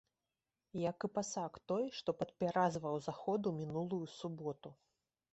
Як і пасак той, што падпяразваў заход у мінулую суботу.